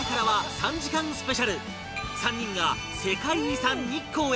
３人が世界遺産日光へ